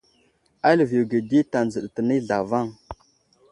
A liviyo age tanzo ɗi tənay zlavaŋ.